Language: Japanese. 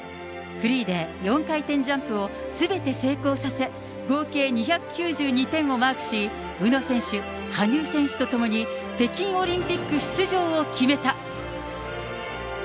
フリーで４回転ジャンプをすべて成功させ、合計２９２点をマークし、宇野選手、羽生選手と共に北京オリンピック出場を決めた。